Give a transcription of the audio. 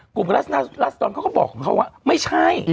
กลุ่มของรัฐสรรค์เขาก็บอกว่า